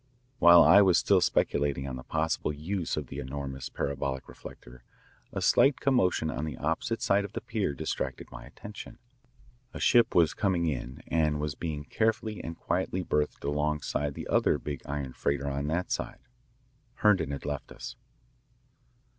While I was still speculating on the possible use of the enormous parabolic reflector, a slight commotion on the opposite side of the pier distracted my attention. A ship was coming in and was being carefully and quietly berthed alongside the other big iron freighter on that side. Herndon had left us.